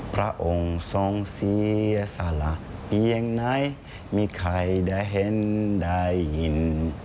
พระองค์ทรงเสียสละเอียงไหนมีใครได้เห็นได้ยิน